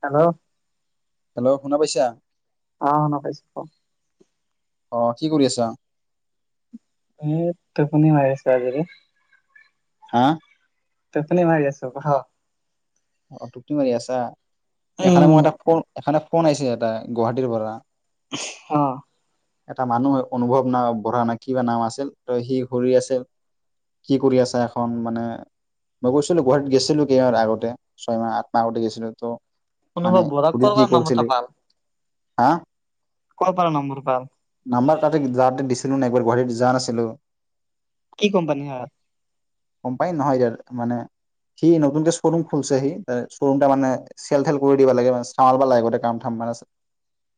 Hello, hello, শুনা পাইছা? অঁ শুনা পাইছো ক। অঁ কি কৰি আছা? এই টোপনি মাৰি আছো আজৰি। হাঁ? টোপনি মাৰি আছো হ। টোপনি মাৰি আছা। এখনত উম মই এটা [unintelligible] ফোন আহিছে এটা, গুৱাহাটীৰ পৰা। অঁহ। এটা মানুহ অনুভৱ না বঢ়া না কিবা নাম আছিল। ত সি হুৰি আছিল। কি কৰি আছা, এখন মানে মই গৈছিলো গুৱাহাটীত গেছিলো কেইটাৰ আগতে। ছয়মাহ, সাতমাহ উঠে গৈছিলো। তো অনুভৱ বৰাক নমতা ভাল। হাঁ? কৰ পৰা নম্বৰ পা [unintelligible] নাম্বাৰ তাতে যাওঁতে দিছিলো নাই একবাৰ গুৱাহাটীত জান আছিলো কি কোম্পানী হয়। গম পাই নহয় জানো মানে কি নতুনকে শ্ব ৰুম। ফুলচহি শ্ব'ৰুমটা মানে চেল টেল কৰি দিব লাগে মানে চামা লব লাগে গ কাম চাম মানে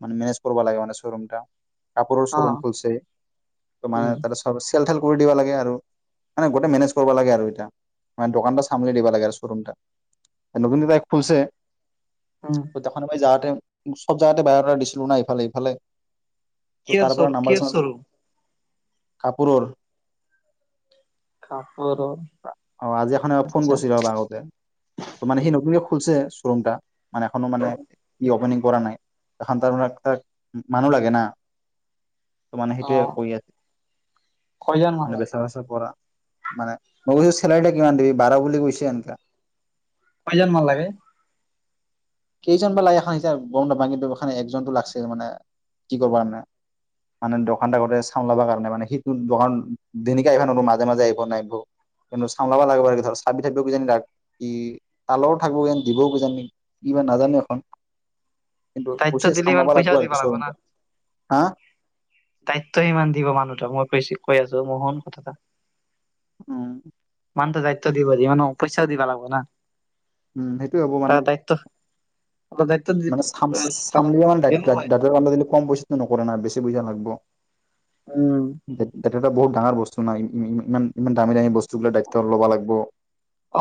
মানে মেনেজ কৰিব লাগে মানে শ্ব'ৰুমটা কাপোৰৰ অ চৰুম খুলছে ত মানে উম তাতে চব আছে চেল টেল কৰি দিব লাগে আৰু মানে গোটেই মেনেজ কৰিব লাগে আৰু এতা মানে দোকানটো চামনি দিব লাগে আৰু শ্বৰুমটা নতুন দি তাই খুলছে উম দেখা নাপাই যাহতে চব জাগাতে বায় দাতা দিছিলো না ইফালে সিফালে ত' তাৰ কেৰ পৰা চৰ নাম্বাৰ কেৰ চাম্বাৰ চৰ কাপোৰৰ কাপোৰৰ অ আজি এখনে ফোন আচ্ছা কৰিছিলে অলপ আগতে সি নতুনকে খুলছে শ্বৰুমটা মানে এখনো মানে ই অপেনিং পৰা নাই [unintelligible] মানুহ লাগে ন ত মানে অ সেইটোৱে কৰি কয়জন আছে মান মানে লাগে বেচা ৰাচা কৰা মানে মই কৈছো চেলাৰটা কিমান দিবি বাৰ বুলি কৈছে এনকা কইজন মান লাগে কেইজন বা লাগে এখন এতিয়া গম নাপাঙ কিন্তু একজনতো লাগিছে মানে কি কৰিব কাৰণে মানে দোকানত আগতে চামলাব কাৰণে মানে সেইটো দোকান দিনিকা আহিবা নো মাজে মাজে আহিব নিব কিন্তু চামলাবা লাগিব ধ চাবি থাকিব জানি ত কি তালৰো থাকিব দিবও কিজানি কি বাৰ নাজানো এখন কিন্তু অ দায়িত্ব হৈছে দিলে ইমান চামলবা পইচাও লাগিব দিব আৰু না শ্বৰমটো হা দায়িত্ব ইমান দিব মানুহ তোক মই কৈছো কৈ আছো মহুন কথা এটা উম কামটো দায়িত্ব দিব দি মানে পইচাও দিব লাগব না উম সেইটো হ'ব মানে তাৰ দায়িত্ব অলপ দায়িত্ব দি মানে চাম পালন চামৰে অন দায়িত্ব দিলো হয় দাদা [unintelligible] কম পইচাটো নকৰে না আবেছি বুইজা লাগব উম এ এটা বহুত ডাঙৰ বস্তু নাই ইমান ইমান দামী দামী বস্তু গিলা দায়িত্ব ল'ব লাগব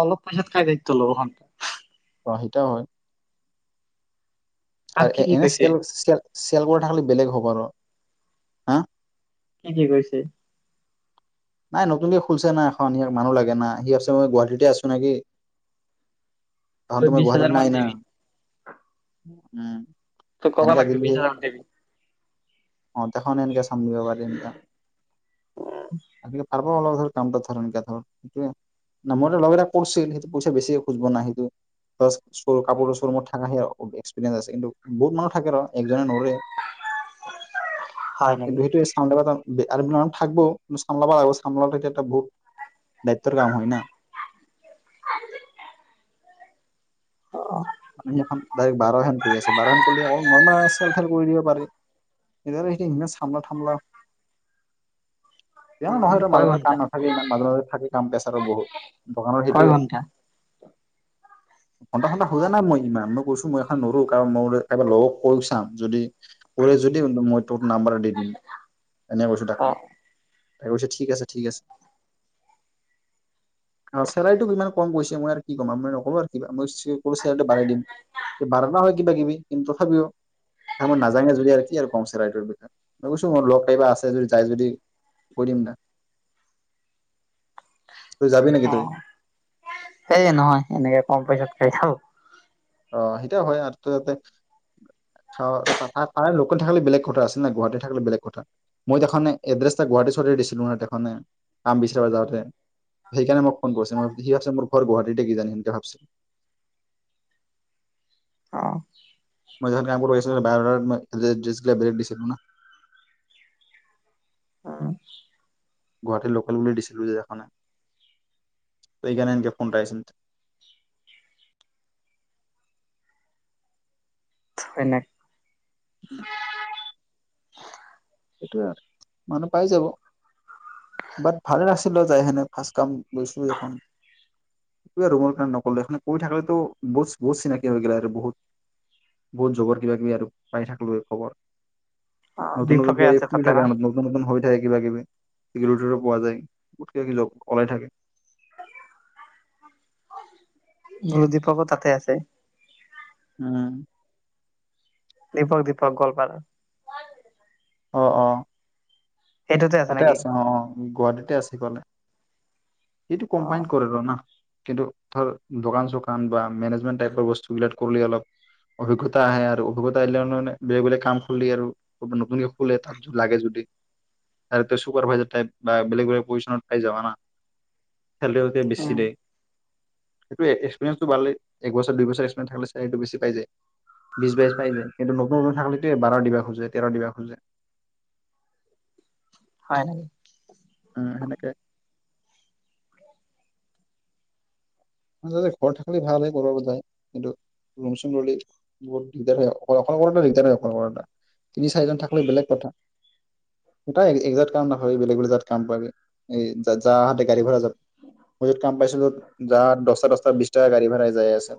অলপ পইচাত কাৰেণ্ট লব হন অ সিতাও হয় আৰু কি এ কি এনে কৈছে স্কেল স্কেল চেল বোৰ থাকলে বেলেগ হ'ব হব ৰ হা কি কি কৰিছে নাই নতুনকে খুলছে না এখন ইয়াক মানুহ লাগে না সি আছে মই গুৱাহাটীতে আছো নেকি তহন তই তোমাৰ বিশ গুৱাহাটীত হাজাৰ মান নাই না দিবি উম তোৰ কব এনেকা লাগবি দিলি বিছ হাজাৰ দিবি অ তেখন এনকে [unintelligible] [unintelligible] না মই ল'ৰাকেইটাক কৈছোৱে সেতি পইচা বেছিকে খুজিব নাহিতে বচ চৰ কাপোৰ চ ৰোমত থকা সেয়া ব এক্সপ্ৰিয়েঞ্চ আছে বহুত মানুহ থাকে তাত একজনে নোৱৰে হয় [unintelligible] নেকি? দায়িত্ব কাম হয় না অ', চেল তেল কৰি দিব‌ পাৰি চাম লাভ থামলা জানো উম, নহয় কয় মাজে মাজে ঘণ্টা কাম নাথাকে ইমান মাজে মাজে থাকে কাম পাচাৰো বহুত দোকানৰ কয় সেইটোৱে ঘণ্টা [unintelligible] খোজা নাই মই ইমান মই কৈছো মই এখন নৰো কাৰণ মোৰ কাৰবাৰ লগক কৈ চাম যদি কৰে যদি মই ত নাম্বাৰ দি দিম এনে কৈছো তাক মই অ', তাই কৈছে ঠিক আছে ঠিক আছে চেলাৰীটো কিমান কম গৈছে মই আৰু কি কম আও মই নকৰো আৰু কিবা কলো চেলাৰীটো বাঢ়াই দিম বাঢ়লা হয় কিবা কিবি কিন্তু তথাপিও আৰু মই নাজাঙে যদি আৰু কি আৰু কম চেলাৰিটোৰ বিষয়ে মই কৈছো মোৰ লগ কিবা আছে যদি যাই যদি কৈ দিম না তই যাবি নেকি অ তই? সেয়ে নহয় এনেকে কম পইচাত খাই যায় অ সেইটোয়া হয় আৰু তই তাৰ লোকেল থাকিলে বেলেগ কথা আছিল না গুৱাহাটী থাকে বেলেগ কথা মই দেখে এড্ৰেছ এটা গুৱাহীৰ ৰতে দিছিলো ন তেখনে কাম বিচাৰি যাওঁতে সেইকাৰণে মোক ফোন কৰিছে মই সি ভাবিছ মোৰ ঘৰ গুৱাহাটীতে কিজানি সেনেকে ভাবছে অ', মই য'ত কাম কৰিব আহিছো উম গুৱাহাটীৰ লোকেল বুলি দিছিলো যে এখনে ত এইকাৰণে এনকে ফোনটা আহিছিল হয়নে [unintelligible] হে তোৱে মানুহ পাই জাহ বাত ভাল আছিল কিয় নকৰিলা কৰি থকা হ'লে বহুত চিনাকি অ', দীপকে আছে তাতে না হৈ থাকে কিবা কিবি এইগিলাটো পোৱা যায় গোটক ক ওলাই থাকে গৰুদ্বীপকো তাতে আছে উম দীপক দীপক গোৱালপাৰা অ অ সেইটোতে আছে তাতে নেকি? আছো অ গুৱাহাটীতে সিফালে এইটো অ', কম্বাইন কৰে ৰ না কিন্তু ধ দোকান চোকান বা মেনেজমেন্ট টাইপৰ বস্তুবিলাক কৰিলে অলপ অভিজ্ঞতা আহে আৰু অভিজ্ঞতা আহিলে বেলেগ বেলেগ কাম কৰিলে আৰু নতুনকে খোলে তাত লাগে যদি চুপাৰভাইজাৰ টাইপ বা বেলেগ বেলেগ পজিশনত পাই যাবা না চেলিৰিটো বেছি উম, দে সেইটো এক্সপিৰিয়েঞ্চটো ভালে এক বছৰ দুই বছৰ এক্সপিৰিয়েঞ্চ থাকিলে চেলেৰী টো বেছি পাই যে বিশ বাইশ পাই যায় কিন্তু নতুন নতুন থাকলেত বাৰৰ দিবা খোজে তেৰ দিব খোজে হয় ওম সেনেকে ঘৰ থাকে ভাল হয় ক'ৰব যায় কিন্তু ৰুম চুম ৰলে বহুত দিগদাৰ হয় অ অকলটা দিগদাৰ হয় অ তিনি চাৰিজন থাকিলে বেলেগ কথা তই এক জেগাত কাম নাপাব বেলেগ বেলেগাত কাম পাবি এই যাতে গাড়ী ঘোড়া য মই যত কাম পাইছো য'ত যাই আছে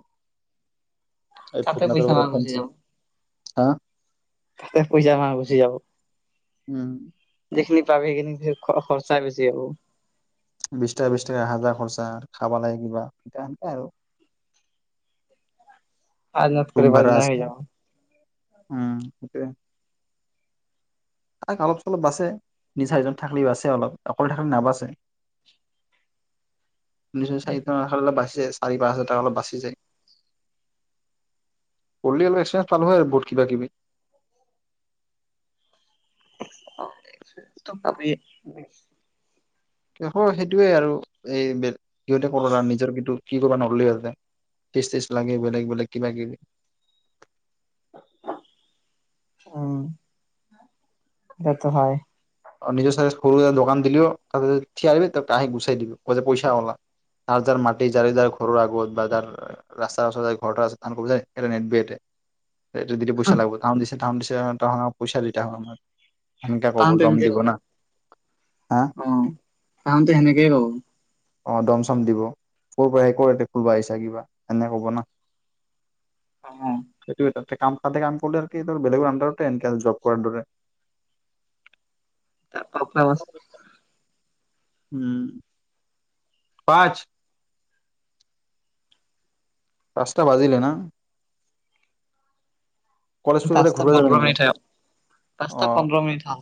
এই তাতে ভূটনাথৰ পইচা না পৰা গুচি ফেঞ্চি যাব হা থাতে শুই যাম আও গুচি যাব। উম যিখিনি পাবি সেইখিনি খ খৰচাই বেছি হব। বিশ টকা বিশ টকা এহাজাৰ খৰচা খাবা লাগে কিবা এ সেনতে আৰু। আজ ন ৰুম কৰি ভাড়া আজ আছে নাই যাব। উম সেটোৱে আইক অলপ চলপ বাচছে তিনি চাৰিজন থাকিলিও বাচছে অলপ অকলে থাকিলি নাবাচে। [unintelligible] যে চাৰি পাঁচ হাজাৰ টকা অলপ বাচি যায়। পলডিকেল এক্সে্ পালো হয়। বহুত কিবা কিবি। [unintelligible] [inaudible] সেইটোয়ে আৰু এই বে। সিহঁতে কোৰান নিজৰ কিন্তু। কি কৰিব নহলে ইিহঁতে তেচ তেচ লাগে বেলেগ বেলেগ কিবা কিবি। উম সেটো হয়। নিজৰ চাইডত সৰু দোকান দিলেও তাতে থিয় দিবি তাই গুচাই দিব কইছে যে পইচা ওলা তাৰ যাৰ মাটি যাৰ যাৰ ঘৰৰ আগত বা যাৰ ৰাস্তাত ওচত ঘৰ তা [unintelligible] নেবেতে। এটোদি পইচা লাগিব তা। এটা কাম দিছে [unintelligible] এনকে ক'ব। দম তেনকে দিব অ না হা অ কামটো সেনেকে হব। অ দম চম দিব ক'ৰ পৰা আহি ক'তে এটেক কৰিব আহিছা কিবা এেনে ক'ব না। অহ, সেইটো তাতে কাম কতে কাম কৰিলে আৰুি ধ বেলেগ আণ্ডাৰ এনকে জব কৰাৰ দৰে। [unintelligible] উম। পাচঁ। পাচঁটা বাজিলে না। কলেজ ফিল্ড ফালে পাঁচটা ঘূৰিব যাবি পন্ধৰ নেকি মিনিট হ অ পাঁচটা পন্ধৰ মিনিট হ।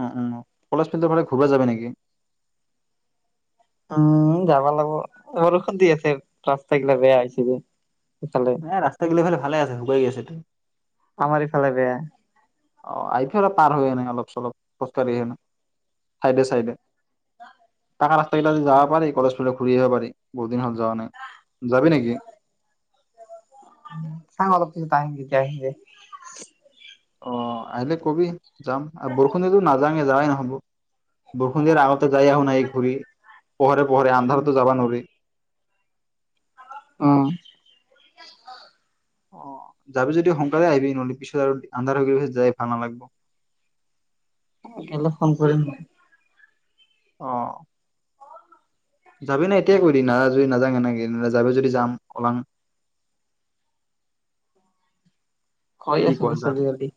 উম উম কলেজ ফিল্ডৰ, ফালে ঘূৰিব যাব নেকি। উম যাবা লাগিব বৰষুণ দি আছে ৰাস্তা গিলা বেয়া হৈ হৈছে যে। ইফালে। নাই ৰাস্তা গিলে [inaudible] ভালে আছে শুকাই আছে ত। আমাৰ ই ফালে বেয়া। অ আইফেল পাৰ হৈ আনে অলপ চলপ খোজকাঢ়ি কেনে চাইডে চাইডে। তাকা ৰাস্তা কিইা যদি যাব পাৰে কলেজ। পোলক ঘূৰি আহিব পাৰি বহুত দিন হ'ল যোৱা নাই যাবি নেকি। চাও অলপ পিছত [inaudible] অ আহিলে কবি যাম আৰু বৰষুণ দো নাযাঙে যোৱাই নহব বৰষুণ দিয়া আগতে যাই আহো নাই ঘূৰি। পহৰে পহৰে আন্ধাৰতো যাবা নোৱাৰি। অহ অ যাবি যদি সোনকালে আহিবি নহ'লে পিছত আৰু আন্ধাৰ হৈ গ প যাই ভাল নালাগিব। গলে ফোন কৰিম মই। অ যাবি ন এতিয়া ক না যদি নাযাওঁ এনেকে ন যাবি যদি যাম ওলাং। কই কি আছো কোৱা বিউছ যা চলি যালি।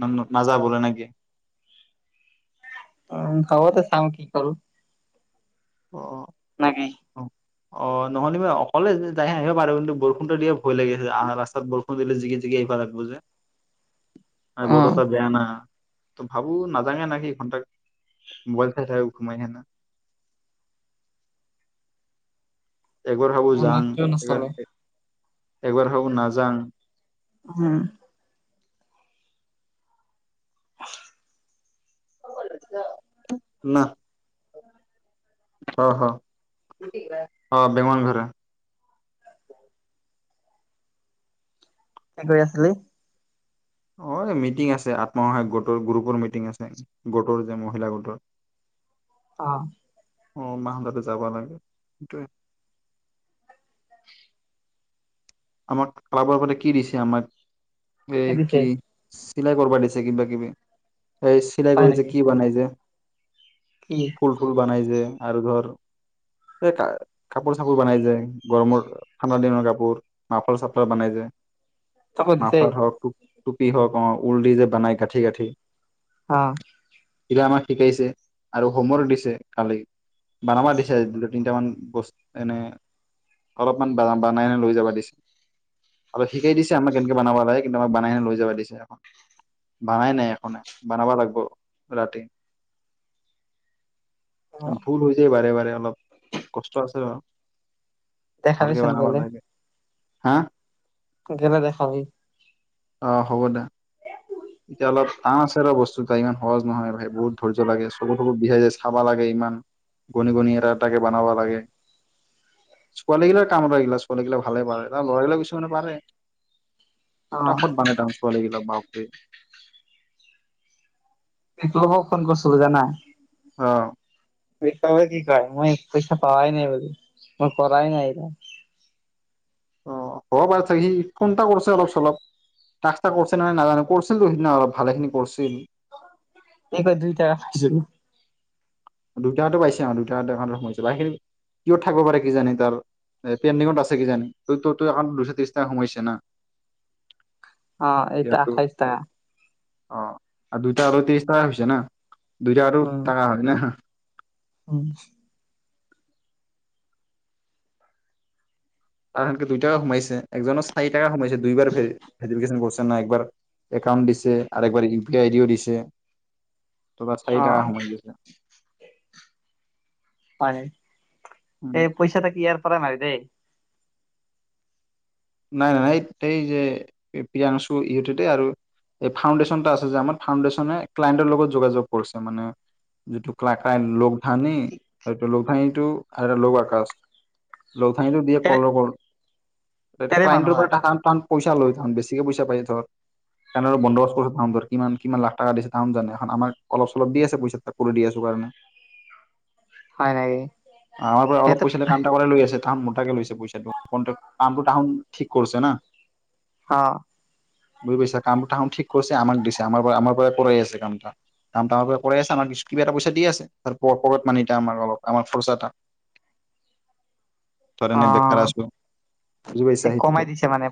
ন নাযাবোলে নেকি? উ হব ত চাম কি কৰো। অ নেকি। অ অ নহ'লে মই অকলে যাই আহিব পাৰো কিন্তু বৰষুণতটো দিয়ে ভয় লাগিছে, আহ ৰাস্তাত বৰষুণ দিলে জিগি জিগি আহিব লাগিব যে। আৰু বত অ', ত বায় না। তো ভাবো নাজাঙে নকি ঘন্টা মোবাইল চাই থাই ঘোমাই না। একবাৰ ভাবো মোৰ যাং নেটটোৱে নচলে একবাৰ। এবাৰ হাব নাজাং। হুম। [unintelligible] না অ অ বেমমান ঘৰে। কি কৰি আছিলি? অ মিটিং আছে আত্মসহায়ক গোটৰ গ্ৰুপৰ মিটিং আছে গোটৰ যে মহিলা গোটৰ। অ। অ মাহাতে যাব লাগে সটোৱে। আমাক ক্লাবৰ কতে কি দিছে আমাক। এই কি। চিলাই কৰা দিছে কিবা কিবি। এই চিলাই হয় কৰিছে নেকি কি বনাই যে। কি ফুল ফুল বনাই যে আৰু ধৰ। এই ক কাপোৰ চাপোৰ বনাই যে, গৰমৰ ঠাণ্ডা দিনৰ কাপোৰ। মাফল চাফলা বনাই যে। তাকো দিছে নাফলাৰ হক খুব। টোপি হওক আমাৰ উল দি যে বনাই কাঠি কাঠি। অ। স আমাক শিকাইছে আৰু হোমৱৰ্ক দিছে কালি বনাবা দিছেজ দু তিনিটামান বস্তু এনে অলপমান বনাই ন লৈ যাবা দিছে। আৰু শিকাই দিছে আমাক কেনেকে বনাব লাগে কিন্তু আমাক বনাইনে লৈ যাবা দিছে এখন বনাই নাই এখনে বনাবা লাগিব ৰাতি। অ ভুল হৈ যায় বাৰে বাৰে। অলপ কষ্ট আছে ন। ভালকে দেখাবিচোন বনাব লাগে। হা। কেনে দেখা বি। অ হ'ব দে। এতিয়া অলপ টান আছে ৰ বস্তু ত ইমান সহজ নহয় ভাই বহুত ধৈৰ্য লাগে চব চব বিহাই যায় চাবা লাগে ইমান গণি গনি এটা এাকে বনাবা লাগে ছোৱালীগিলাৰ কাম এটা গিলা ছোৱালীগিলা ভালে পাৰে তাৰ লৰাগিলাক কিছুমানে পাৰে। অ ফটাফত বানে তান চোৱা লাগিলে বা [unintelligible] স [unintelligible] ছোৰাবক ফোন কৰিছো ব জানা অ সাবে কি কয় মই পইচা পাৱাই নাই বোলে মই কৰাই নাই এই অ হব পাৰে চাগে সি ফোন এটা কৰিছে অলপ চলপ টাক্সটা কৰছিল না‌ নাই নাজানো কৰিছিল তো অলপ ভালেখিনি কৰছিল। এইবাৰ দুইটাছ দুইটাকাতো পাইছে অ দুই টাকাতো একাউণ্টত সোমাইছে। বাকীখিনি কিয়ত থাকিব পাৰে কিজানি তাৰ পেণ্ডিঙত আছে কিজানি ত তোৰ একাউণ্টত দুশ ত্ৰিশটাকা সোমাইছে না। অ এইটো ইয়াৰটো আঠাইশ টকা অ আৰু দুইটাকা আৰু তেইছটা হৈছে না। দুইটাকাটো টাকা হয় না। উ আৰ সেনকে দুই টাকা সোমাইছে একজনৰ চাৰি টাকা সোমাইছে দুইবাৰ ভেৰিফিকেচন কৰিছে না। একবাৰ একাউন্ট দিছে আৰু একবাৰ ইউ পি আই আই ডিও দিছে। তো তাক অ চাৰি টাকা সোমাই দিছিল হয় নেকি এই পইচা তা কি ইয়াৰ পৰা মাৰি দেই। নাই নাই সেই এই যে প্ৰিয়াংশু ইহতে দেই আৰু এই ফাউণ্ডেশ্যনটা আছে যে আমাৰ ফাউডেশ্যনে ক্লায়ন্টৰ লগত যোগাযোগ কৰিছে মানে যিটো ক্লা আনি এইটো লোক টো আৰু লৱাৰ কাষ্ট লৌথাইটো দিয়ে এৰে কল কৰ এ এৰে মানুহ কলাইণ্টৰ পৰা হয় টাকা পইচা লয় তাহুন বেছিকে পইচা পাই ধৰ কেনে বন্দবস্ত কৰিছ তাহুন ধৰ কিমান কিমান লাখ টকা দিছে তাহুন জানে। এখন আমাক অলপ চলপ দি আছে পইচা কৰি দি আছো কাৰণে হয় নেকি আমাৰ পৰা অলপ সিহঁতে পইচাতে কামটা কৰাই লৈ আছে। অ মোটাকে লৈছে পইচাটো তাহুন ঠিক কৰিছে না। অ। বুজি পাইছা কামটো তাহুন ঠিক কৰছে আমাক দিছে আমাৰ পৰা আমাৰ পৰা কৰাই আছে কামটা কামটা আমাৰ পৰা কৰাই আছে আমাক কিবা এটা পইচা দি আছে আৰ পকেট মানি আমাৰ অলপ আমাৰ খৰচাটা। ধৰ এনে বেকাৰ আছো। পাইছা এ সেইটোকে। কমাই দিছে মানে